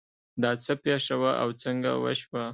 دا څه پېښه وه او څنګه وشوه